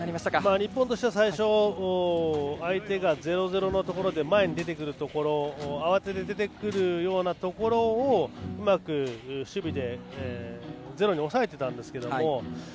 日本としては最初相手が０−０のところで前に出てくるところ慌てて出てくるようなところをうまく守備でゼロに抑えていたんですが。